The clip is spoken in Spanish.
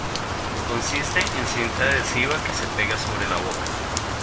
Consiste en cinta adhesiva que se pega sobre la boca.